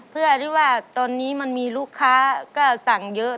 เพื่อที่ว่าตอนนี้มันมีลูกค้าก็สั่งเยอะ